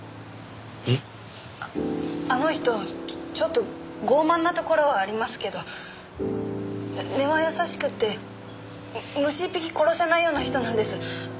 あっあの人ちょっと傲慢なところはありますけど根は優しくて虫一匹殺せないような人なんです。